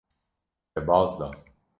We baz da.